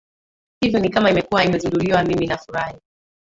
hivyo ni kama imekuwa imezinduliwa mimi nafurahi